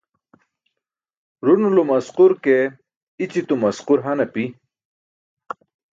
Ruṅulum asqur ke i̇ćitum asqur han api.